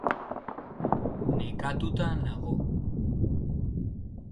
Nekatuta nago